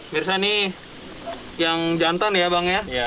mirsa ini yang jantan ya bang ya